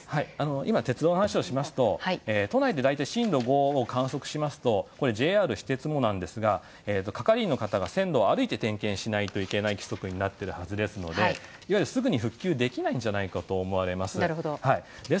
今、鉄道の話をしますと都内で大体震度５を観測しますとＪＲ、私鉄もなんですが係員の方が線路を歩いて点検しなければいけない規則になっているはずですのでいわゆる、すぐに復旧できないんじゃないかと思われます。